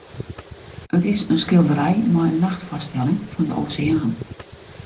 It is in skilderij mei in nachtfoarstelling fan de oseaan.